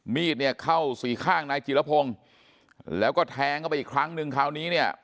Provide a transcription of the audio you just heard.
มีดเนี่ยเข้าสี่ข้างนายจิรพงศ์แล้วก็แทงเข้าไปอีกครั้งนึงคราวนี้เนี่ย